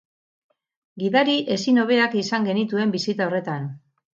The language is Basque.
Gidari ezin hobeak izan genituen bisita horretan.